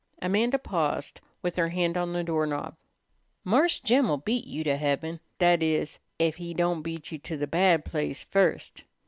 Amanda paused with her hand on the doorknob. "Marse Jim'll beat you to heaben; that is, ef he don't beat you to the bad place first.